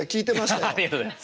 アハハありがとうございます。